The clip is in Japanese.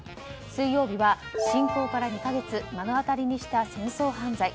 水曜日は侵攻から２か月目の当たりにした戦争犯罪。